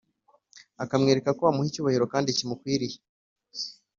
ukamwereka ko umuha icyubahiro kandi kimukwiriye.